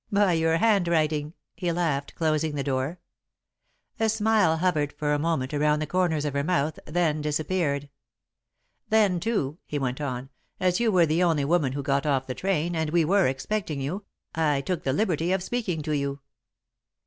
"By your handwriting," he laughed, closing the door. [Sidenote: With Bag and Baggage] A smile hovered for a moment around the corners of her mouth, then disappeared. "Then, too," he went on, "as you were the only woman who got off the train, and we were expecting you, I took the liberty of speaking to you."